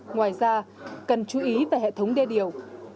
ngoài ra cần chú ý về hệ thống đê điều